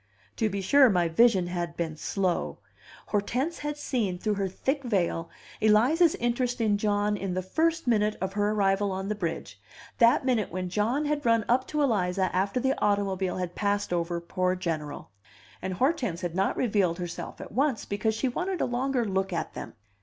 To be sure, my vision had been slow! Hortense had seen, through her thick veil, Eliza's interest in John in the first minute of her arrival on the bridge, that minute when John had run up to Eliza after the automobile had passed over poor General. And Hortense had not revealed herself at once, because she wanted a longer look at them.